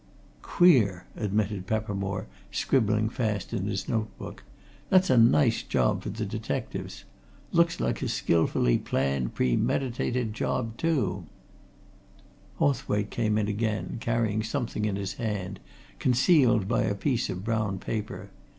"Queer!" admitted Peppermore, scribbling fast in his note book. "That's a nice job for the detectives. Looks like a skilfully planned, premeditated job too " Hawthwaite came in again, carrying something in his hand, concealed by a piece of brown paper.